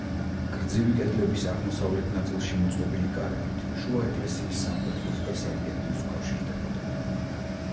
გრძივი კედლების აღმოსავლეთ ნაწილში მოწყობილი კარებით შუა ეკლესიის სამკვეთლოს და სადიაკვნეს უკავშირდებოდა.